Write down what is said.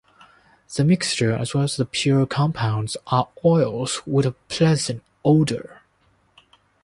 The mixture, as well as the pure compounds, are oils with a pleasant odor.